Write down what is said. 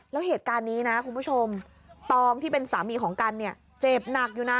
แล้วเหตุการณ์นี้นะคุณผู้ชมตองที่เป็นสามีของกันเนี่ยเจ็บหนักอยู่นะ